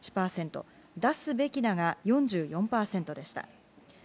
「出すべきだ」が４４％でした。